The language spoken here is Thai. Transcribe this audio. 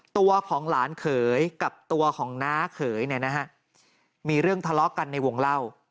ตัวของหลานเขยกับตัวของน้าเขยเนี่ยนะฮะมีเรื่องทะเลาะกันในวงเล่า